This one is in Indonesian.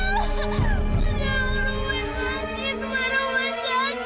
tolong rumah sakit rumah sakit